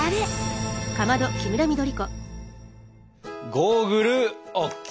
ゴーグルＯＫ！